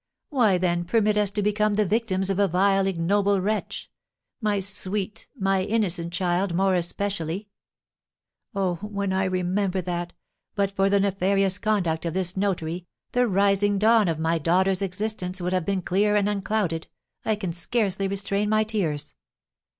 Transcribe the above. Why, then, permit us to become the victims of a vile, ignoble wretch, my sweet, my innocent child more especially? Oh, when I remember that, but for the nefarious conduct of this notary, the rising dawn of my daughter's existence would have been clear and unclouded, I can scarcely restrain my tears.